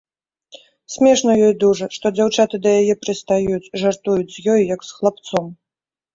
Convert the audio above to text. Смешна ёй дужа, што дзяўчаты да яе прыстаюць, жартуюць з ёй, як з хлапцом.